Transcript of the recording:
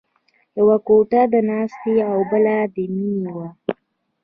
یوه کوټه د ناستې او بله د مینې وه